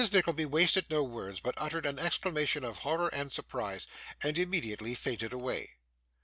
Nickleby wasted no words, but uttered an exclamation of horror and surprise, and immediately fainted away.